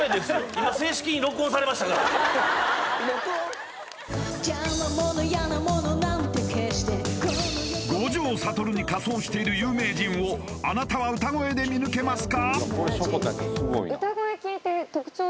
今正式に録音されましたから五条悟に仮装している有名人をあなたは歌声で見抜けますか？